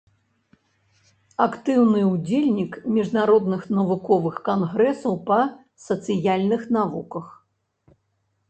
Актыўны ўдзельнік міжнародных навуковых кангрэсаў па сацыяльных навуках.